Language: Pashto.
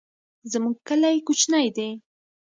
زمونږ کلی کوچنی دی